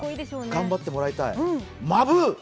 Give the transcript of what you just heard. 頑張ってもらいたい。